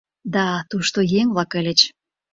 Да, тушто еҥ-влак ыльыч.